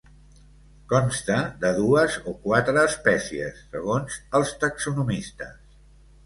Consta de dues o quatre espècies, segons els taxonomistes.